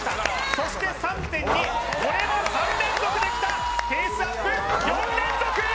そして３．２これも３連続できたペースアップ４連続！